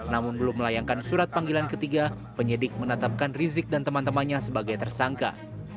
namun belum melayangkan surat panggilan ketiga penyidik menetapkan rizik dan teman temannya sebagai tersangka